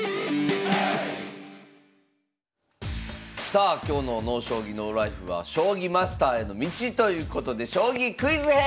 さあ今日の「ＮＯ将棋ＮＯＬＩＦＥ」は「将棋マスターへの道」ということで「将棋クイズ編」！